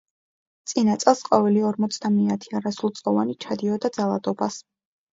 წინა წელს ყოველი ორმოცდამეათე არასრულწლოვანი ჩადიოდა ძალადობას.